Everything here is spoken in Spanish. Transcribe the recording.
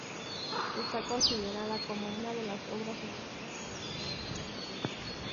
Está considerada como una de las obras maestras de la literatura inglesa.